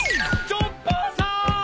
チョッパーさん！